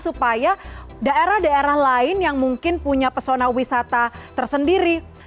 supaya daerah daerah lain yang mungkin punya pesona wisata tersendiri